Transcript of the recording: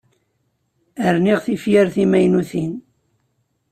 Rniɣ tifyar timaynutin.